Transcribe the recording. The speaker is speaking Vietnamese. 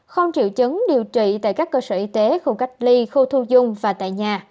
không triệu chứng điều trị tại các cơ sở y tế khu cách ly khu thu dung và tại nhà